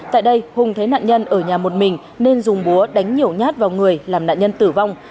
tại đây hùng thấy nạn nhân ở nhà một mình nên dùng búa đánh nhiều nhát vào người làm nạn nhân tử vong